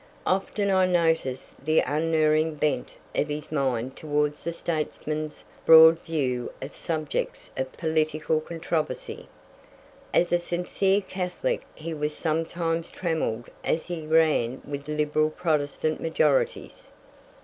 Often I noticed the unerring bent of his mind towards the statesman's broad view of subjects of political controversy. As a sincere Catholic he was sometimes trammelled as he ran with liberal Protestant majorities.